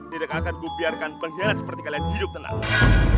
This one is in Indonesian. tidak akan kubiarkan penghelat seperti kalian hidup tenang